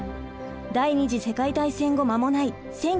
第二次世界大戦後間もない１９４８年